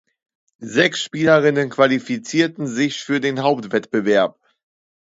Sechs Spielerinnen qualifizierten sich für den Hauptbewerb.